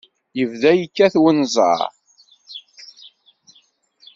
Yebda yekkat unẓar.